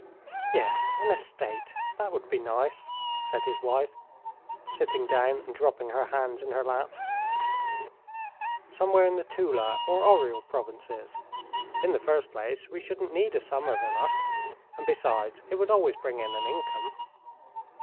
"Yes, an estate, that would be nice," said his wife, sitting down and dropping her hands in her lap. "Somewhere in the Tula or Oryol provinces.... In the first place we shouldn't need a summer villa, and besides, it would always bring in an income."